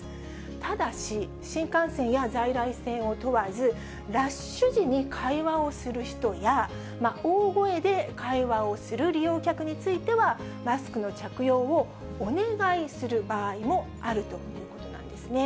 ただし、新幹線や在来線を問わず、ラッシュ時に会話をする人や、大声で会話をする利用客については、マスクの着用をお願いする場合もあるということなんですね。